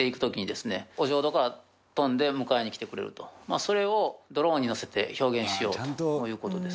それをドローンに乗せて表現しようという事です。